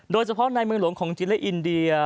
โดยเฉพาะในเมืองหลวงของจีนและอินเดีย